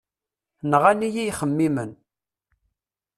Nɣan-iyi yixemmimen.